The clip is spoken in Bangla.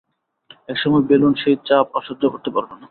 এক সময় বেলুন সেই চাপ আর সহ্য করতে পারবে না।